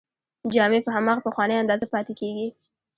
جامې په هماغه پخوانۍ اندازه پاتې کیږي.